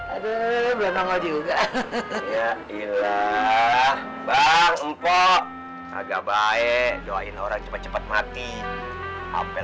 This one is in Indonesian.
aduh belum nangol juga ya iya bang empok agak baik doain orang cepat cepat mati hampir